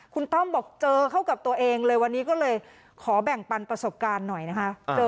คุณต้อมบอกเจอเข้ากับตัวเองเลยวันนี้ก็เลยขอแบ่งปันประสบการณ์หน่อยนะคะ